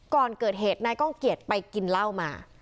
ก่อนเกิดเหตุนายก้องเกียจไปกินเหล้ามา